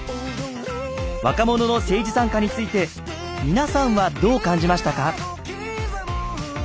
若者の政治参加について皆さんはどう感じましたか。